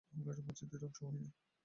হামলায় মসজিদটি ধ্বংস হয়নি।